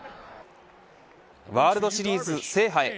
ワールドシリーズ制覇へ。